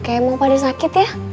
kayak emang pada sakit ya